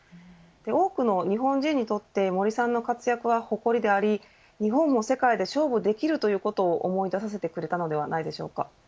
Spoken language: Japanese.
多くの日本人にとって森さんの活躍は誇りであり、日本も世界で勝負できるということを思い出させてくれたのではないでしょうか。